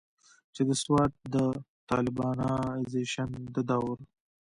چې د سوات د طالبانائزيشن د دور